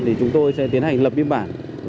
thì chúng tôi sẽ tiến hành lập biên bản